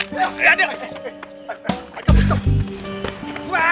mereka salah paham